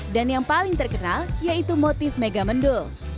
dan yang paling terkenal yaitu motif mega mendul